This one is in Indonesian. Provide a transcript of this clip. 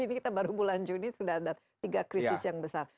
ini kita baru bulan juni sudah ada tiga krisis yang besar